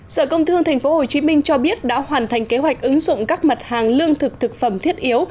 sở công thương tp hcm cho biết đã hoàn thành kế hoạch ứng dụng các mặt hàng lương thực thực phẩm thiết yếu